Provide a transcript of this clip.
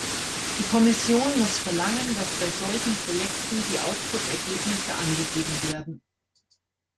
Die Kommission muss verlangen, dass bei solchen Projekten die Output-Ergebnisse angegeben werden.